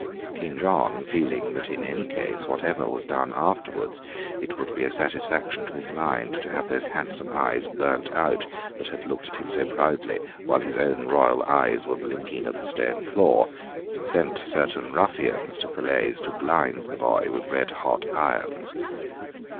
King John, feeling that in any case, whatever was done afterwards, it would be a satisfaction to his mind to have those handsome eyes burnt out that had looked at him so proudly while his own royal eyes were blinking at the stone floor, sent certain ruffians to Falaise to blind the boy with red hot irons.